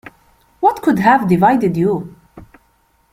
What could have divided you?